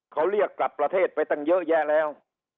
เขาเรียกกลับประเทศไปตั้งเยอะแยะแล้ว